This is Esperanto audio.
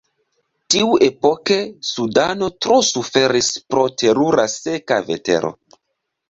Tiuepoke, Sudano tro suferis pro terura seka vetero.